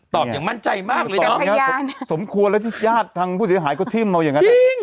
อย่างมั่นใจมากเลยตอนนี้สมควรแล้วที่ญาติทางผู้เสียหายก็ทิ้มเอาอย่างนั้น